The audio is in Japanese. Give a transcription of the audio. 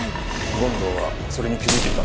権藤はそれに気づいていたんだ。